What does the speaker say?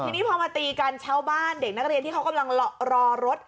ทีนี้พอมาตีกันชาวบ้านเด็กนักเรียนที่เขากำลังรอรถ